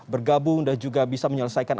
bergabung dan juga bisa menyelesaikan